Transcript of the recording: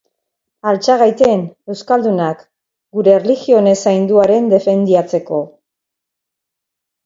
Altxa gaiten, Euskaldunak, gure erligione sainduaren defendiatzeko.